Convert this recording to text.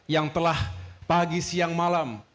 yang telah pagi siang malam